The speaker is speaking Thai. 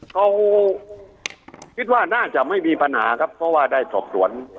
เขาคิดว่าน่าจะไม่มีปัญหาครับเพราะว่าได้สอบสวน